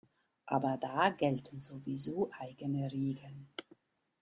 Aber da gelten sowieso eigene Regeln.